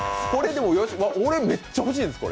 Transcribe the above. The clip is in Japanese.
俺めっちゃ欲しいです、これ。